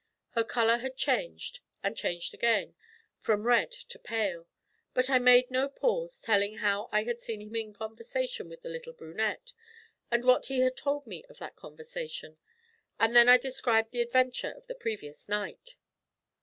Her colour had changed and changed again, from red to pale. But I made no pause, telling how I had seen him in conversation with the little brunette, and what he had told me of that conversation, and then I described the adventure of the previous night.